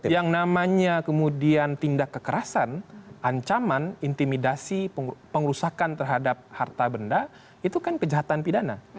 yang namanya kemudian tindak kekerasan ancaman intimidasi pengurusakan terhadap harta benda itu kan kejahatan pidana